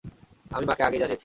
আমি মাকে আগেই জানিয়েছি।